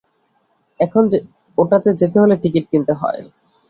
এখন ওটাতে যেতে হলে টিকিট কিনতে হয়।